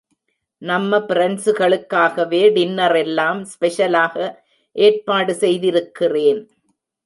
நம்ம பிரண்ஸுகளுக்காகவே டின்னரெல்லாம் ஸ்பெஷலாக ஏற்பாடு செய்திருக்கிறேன்.